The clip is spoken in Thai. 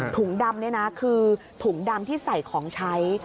ถุงดำนี่นะคือถุงดำที่ใส่ของใช้